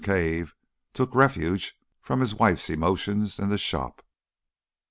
Cave took refuge from his wife's emotions in the shop.